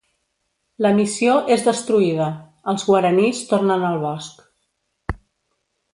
La missió és destruïda: els guaranís tornen al bosc.